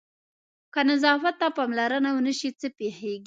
که نظافت ته پاملرنه ونه شي څه پېښېږي؟